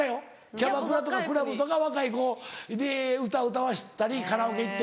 キャバクラとかクラブとか若い子に歌歌わしたりカラオケ行って。